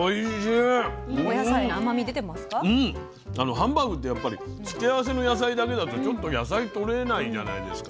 ハンバーグって付け合わせの野菜だけだとちょっと野菜とれないじゃないですか。